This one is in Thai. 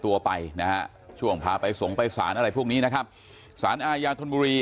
ตัวไปนะฮะช่วงพาไปส่งไปสารอะไรพวกนี้นะครับสารอาญาธนบุรี